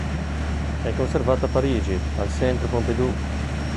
È conservata a Parigi, al Centre Pompidou.